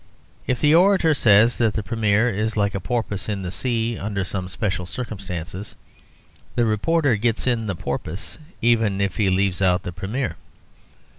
If the orator says that the Premier is like a porpoise in the sea under some special circumstances, the reporter gets in the porpoise even if he leaves out the Premier.